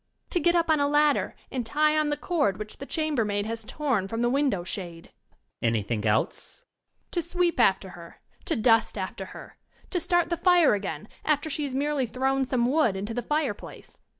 To get up on~a ladder and tie on the cord which the chambermaid has torn from the window shade. Student. Anything else? Young Lady. To sweep after her; to dust after her; to start the fire again, after she has merely thrown some wood into the fireplace!